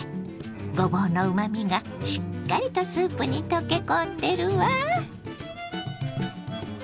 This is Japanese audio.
ごぼうのうまみがしっかりとスープに溶け込んでるわ。